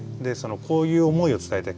こういう想いを伝えたい